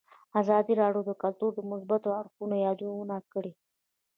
ازادي راډیو د کلتور د مثبتو اړخونو یادونه کړې.